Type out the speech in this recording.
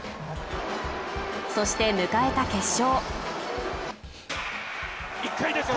そして迎えた決勝